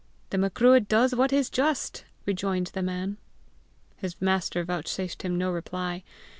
"The Macruadh does what is just!" rejoined the man. His master vouchsafed him no reply.